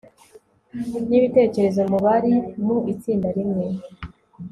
n'ibitekerezo mu bari mu itsinda rimwe